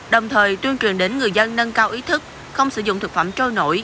đồng thời tuyên truyền đến người dân nâng cao ý thức không sử dụng thực phẩm trôi nổi